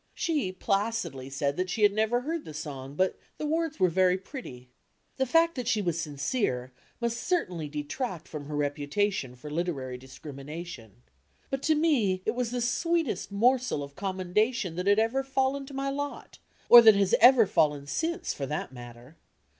She placidly said that she had never heard the song, but "the words were very pretty." The fact that she was sincere must certainly detraa from her reputation for literary discrimination. But to me it was the sweetest morsel of commendation that had ever fallen to my lot, or that ever has fallen since, for that matter.